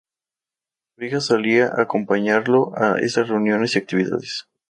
Su hija solía acompañarlo a estas reuniones y actividades.